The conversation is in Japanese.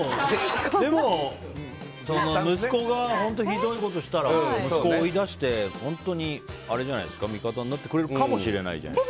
でも、息子が本当にひどいことしたら息子を追い出して、本当に味方になってくれるじゃないですか。